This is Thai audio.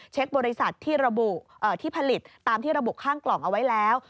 เช็กบริษัทที่ผลิตตามที่ระบุข้างกล่องเอาไว้แล้ว